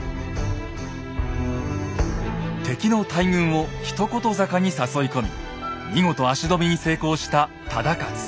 敵の大軍を一言坂に誘い込み見事足止めに成功した忠勝。